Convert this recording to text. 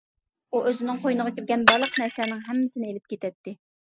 ئۇ ئۆزىنىڭ قوينىغا كىرگەن بارلىق نەرسىلەرنىڭ ھەممىسىنى ئېلىپ كېتەتتى.